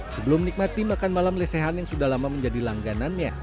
sebelum menikmati makan malam lesehan yang sudah lama menjadi langganannya